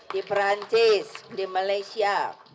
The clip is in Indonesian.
di perancis di malaysia